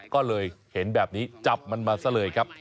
ก็เลยเห็นแบบนี้จับมันมาซะเลยครับ